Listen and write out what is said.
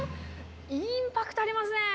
インパクトありますね。